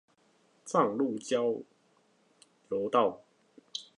彰鹿交流道